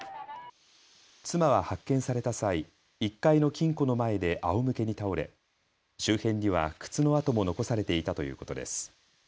妻は発見された際、１階の金庫の前であおむけに倒れ周辺には靴の跡も残されていたということです。